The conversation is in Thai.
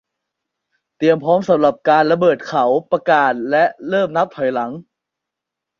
เตรียมพร้อมสำหรับการระเบิดเขาประกาศและเริ่มนับถอยหลัง